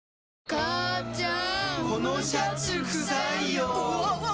母ちゃん！